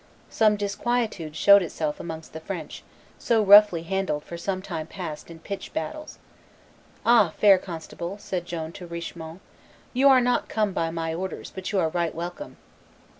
Some disquietude showed itself amongst the French, so roughly handled for some time past in pitched battles. "Ah! fair constable," said Joan to Richemont, "you are not come by my orders, but you are right welcome."